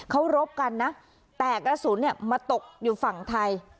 เขารบกันนะแต่กระสุนมาตกอยู่ฝั่งไทย